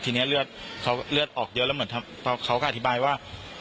ทีนี้เลือดเขาเลือดออกเยอะแล้วเหมือนเขาก็อธิบายว่า